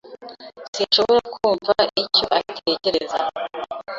Sinshobora kumva icyo atekereza.